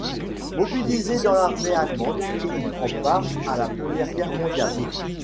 Mobilisé dans l'armée allemande, il prend part à la Première Guerre mondiale.